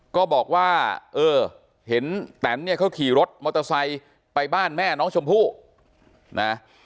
ก็บอกว่าเออเห็นแตนเนี่ยเขาขี่รถมอเตอร์ไซค์ไปบ้านแม่น้องชมพู่นะ